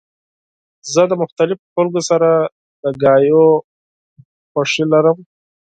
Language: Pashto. زه د مختلفو خلکو سره د خبرو اترو خوښی لرم.